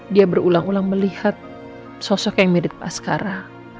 dia berulang ulang melihat sosok yang mirip askara